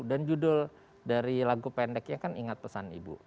dan judul dari lagu pendeknya kan ingat pesan ibu